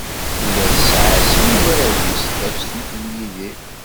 Tura tesɛa sin n warraw-is, Tafsut d Yidir.